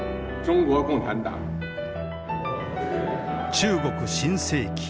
中国新世紀。